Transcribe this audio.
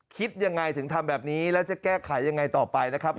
คิดยังไงถึงทำแบบนี้แล้วจะแก้ไขยังไงต่อไปนะครับ